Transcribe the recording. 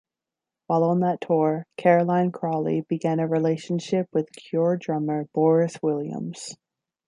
While on that tour, Caroline Crawley began a relationship with Cure drummer Boris Williams.